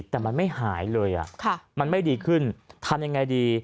แต่มันไม่หายเลยมันไม่ดีขึ้นทำยังไงดี